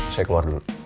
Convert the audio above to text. saya keluar dulu